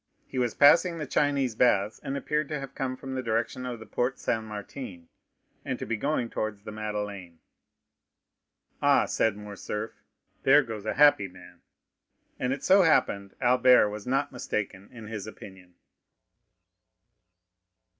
He was passing the Chinese Baths, and appeared to have come from the direction of the Porte Saint Martin, and to be going towards the Madeleine. "Ah," said Morcerf, "there goes a happy man!" And it so happened Albert was not mistaken in his opinion.